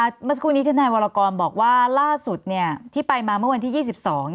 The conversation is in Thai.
เมื่อสักครู่นี้ทนายวรกรบอกว่าล่าสุดที่ไปมาเมื่อวันที่๒๒